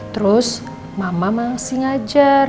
terus mama masih ngajar